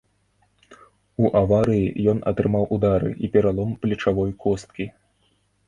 У аварыі ён атрымаў удары і пералом плечавой косткі.